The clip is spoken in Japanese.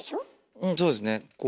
うんそうですねこう。